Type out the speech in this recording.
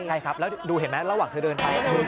แล้วเห็นมั้ยระหว่างเธอเดินไป